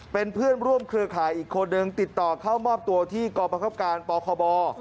เป็นเพื่อนร่วมเครือข่ายอีกคนนึงติดต่อเข้ามอบตัวที่กรประคับการปคบ